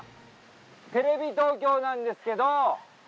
テレビ東京なんですけど。